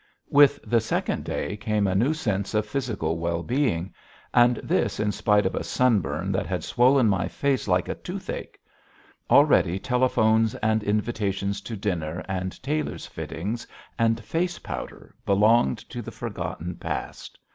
With the second day came a new sense of physical well being, and this in spite of a sunburn that had swollen my face like a toothache. Already telephones and invitations to dinner and tailor's fittings and face powder belonged to the forgotten past.